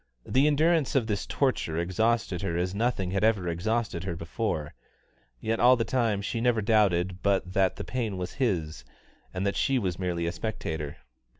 The endurance of this torture exhausted her as nothing had ever exhausted her before; yet all the time she never doubted but that the pain was his, and that she was merely a spectator.